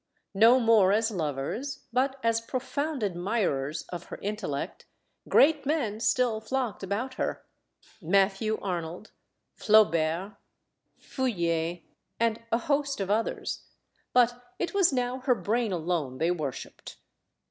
No more as lovers, but as profound ad mirers of her intellect, great men still flocked about her Matthew Arnold, Flaubert, Feuillet, and a host of others. But it was now her brain alone they wor shiped.